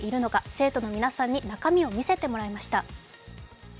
生徒の皆さんに中身を見せてもらいました。